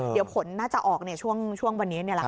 เดี๋ยวผลน่าจะออกช่วงวันนี้นี่แหละ